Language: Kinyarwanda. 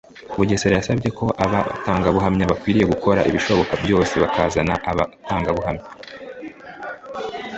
Mugesera yasabye ko aba batangabuhamya bakwiye gukora ibishoboka byose bakazana aba batangabuhamya